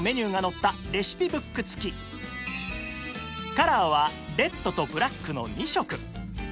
カラーはレッドとブラックの２色